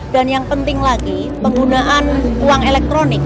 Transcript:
dan yang penting lagi penggunaan uang elektronik